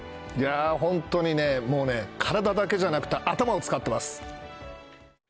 本当にね、もうね、体だけじゃなくて、頭を使ってます。